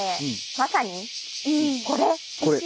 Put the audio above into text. まさにこれ！